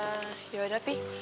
eee yaudah pi